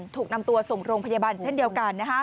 ถูกนำตัวส่งโรงพยาบาลเช่นเดียวกัน